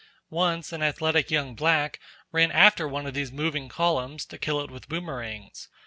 Once an athletic young black ran after one of these moving columns to kill it with boomerangs.